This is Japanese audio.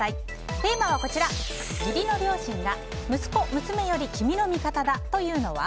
テーマは、義理の両親が息子／娘より君の味方だと言うのは。